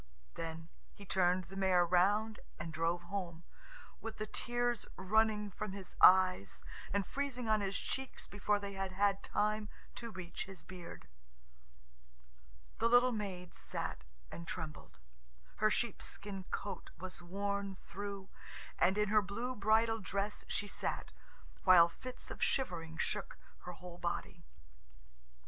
Then he turned the mare round and drove home, with the tears running from his eyes and freezing on his cheeks before they had had time to reach his beard. [Footnote 2: The bogatirs were strong men, heroes of old Russia.] The little maid sat and trembled. Her sheepskin coat was worn through, and in her blue bridal dress she sat, while fits of shivering shook her whole body.